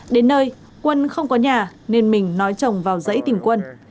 đến nơi quân không có nhà nên mình nói chồng vào dãy tìm quân